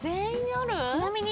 ちなみに。